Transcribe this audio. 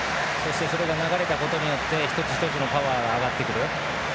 それが流れたことによって一つ一つのパワーが上がってくる。